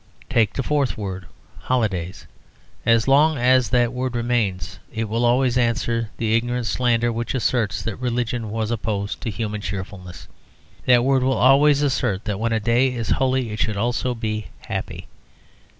Take the fourth word, "holidays." As long as that word remains, it will always answer the ignorant slander which asserts that religion was opposed to human cheerfulness; that word will always assert that when a day is holy it should also be happy.